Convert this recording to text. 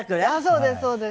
そうですそうです。